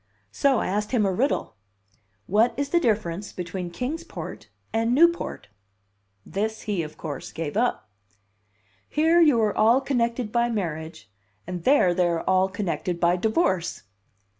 So I asked him a riddle. "What is the difference between Kings Port and Newport?" This he, of course, gave up. "Here you are all connected by marriage, and there they are all connected by divorce."